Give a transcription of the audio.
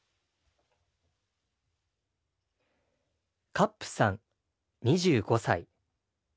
カップさん２５歳。